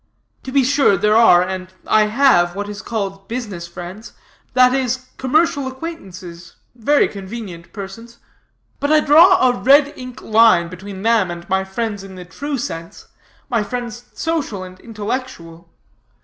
To be sure there are, and I have, what is called business friends; that is, commercial acquaintances, very convenient persons. But I draw a red ink line between them and my friends in the true sense my friends social and intellectual.